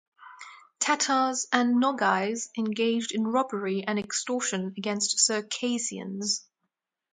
Tatars and Nogais engaged in robbery and extortion against Circassians.